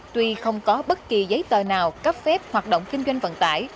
tuy không có bất kỳ giấy tờ nào cấp phép hoạt động kinh doanh vận tải